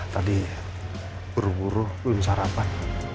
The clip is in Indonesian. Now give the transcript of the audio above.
tadi buru buru belum sarapan